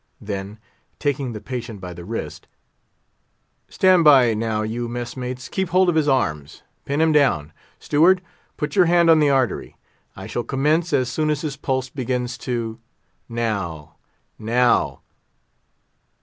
Then, taking the patient by the wrist, "Stand by, now, you mess mates; keep hold of his arms; pin him down. Steward, put your hand on the artery; I shall commence as soon as his pulse begins to—_now, now!